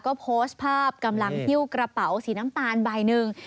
ก็โพสต์ภาพกำลังฮิ้วกระเป๋าสีน้ำตาลใบหนึ่ง